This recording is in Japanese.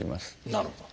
なるほど。